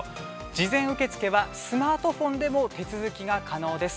事前受付はスマートフォンでも手続きが可能です。